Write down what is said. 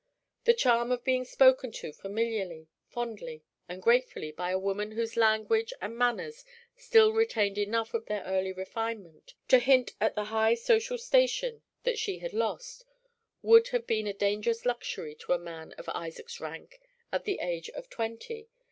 The charm of being spoken to familiarly, fondly, and gratefully by a woman whose language and manners still retained enough of their early refinement to hint at the high social station that she had lost, would have been a dangerous luxury to a man of Isaac's rank at the age of twenty.